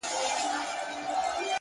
هره ورځ د نوې نسخې جوړولو فرصت دی.!